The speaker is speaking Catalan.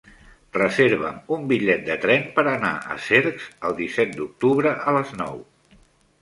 Reserva'm un bitllet de tren per anar a Cercs el disset d'octubre a les nou.